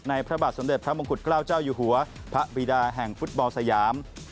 พระบาทสมเด็จพระมงกุฎเกล้าเจ้าอยู่หัวพระบิดาแห่งฟุตบอลสยาม